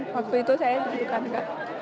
waktu itu saya tidak